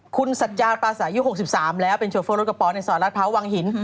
คุณสัจจานปลาสายุ๖๓แล้วเป็นโชเฟอร์รถกระป๋ในซอยรัฐพร้าววังหิน